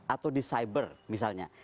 atau di cyber misalnya